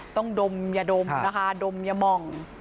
ดมอย่าดมนะคะดมอย่าหม่อง